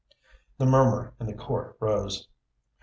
The murmur in the court rose.